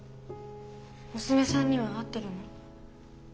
娘さんには会ってるの？